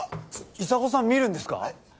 砂金さん見るんですか？